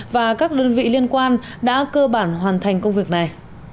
và các đơn vị liên quan đã cơ bản hoàn thành công việc này